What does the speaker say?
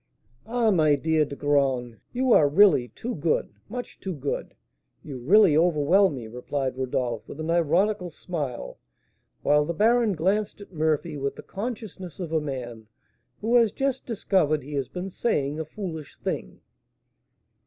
"Ah, my dear De Graün, you are really too good, much too good! You really overwhelm me," replied Rodolph, with an ironical smile, while the baron glanced at Murphy with the consciousness of a man who has just discovered he has been saying a foolish thing.